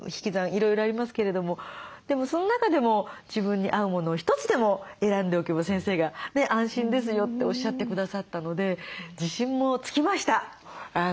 いろいろありますけれどもでもその中でも自分に合うものを一つでも選んでおけば先生が安心ですよっておっしゃってくださったので自信もつきました。